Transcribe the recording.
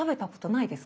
ないです。